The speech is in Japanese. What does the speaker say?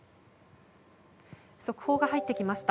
速報が入ってきました。